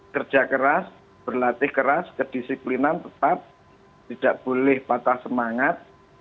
kerja keras berlatih keras kedisiplinan tetap tidak boleh patah semangat